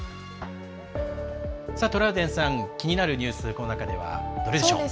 トラウデンさん気になるニュースこの中ではどれでしょう？